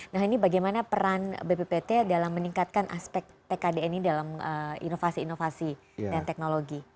nah ini bagaimana peran bppt dalam meningkatkan aspek tkdn ini dalam inovasi inovasi dan teknologi